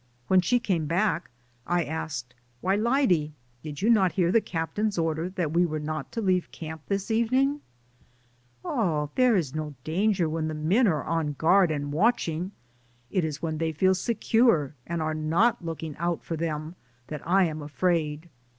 When she came back I asked, "Why, Lyde, did you not hear the captain's order that we were not to leave camp this evening ?'* "Oh, there is no danger when the men are on guard and watching. It is when they feel secure and are not looking out for them that I am afraid.